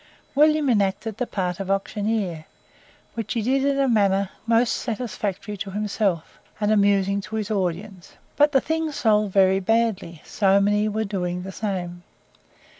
William enacted the part of auctioneer, which he did in a manner most satisfactory to himself, and amusing to his audience; but the things sold very badly, so many were doing the same.